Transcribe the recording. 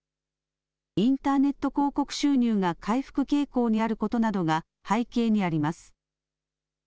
インターネット広告収入が回復傾向にあることなどが背景にあります。